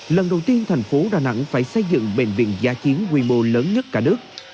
lần đầu tiên thành phố đà nẵng phải xây dựng bệnh viện gia chiến quy mô lớn nhất cả nước